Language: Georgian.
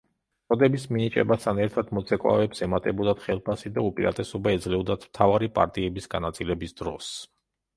წოდების მინიჭებასთან ერთად მოცეკვავეებს ემატებოდათ ხელფასი და უპირატესობა ეძლეოდათ მთავარი პარტიების განაწილების დროს.